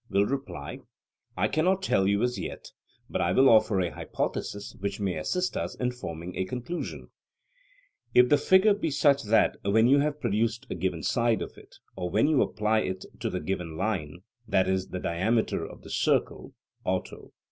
will reply: 'I cannot tell you as yet; but I will offer a hypothesis which may assist us in forming a conclusion: If the figure be such that when you have produced a given side of it (Or, when you apply it to the given line, i.e. the diameter of the circle (autou).)